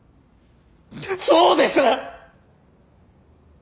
そうです！